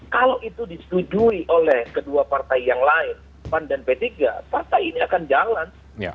kalau itu disetujui oleh kedua partai yang lain pan dan p tiga partai ini akan jalan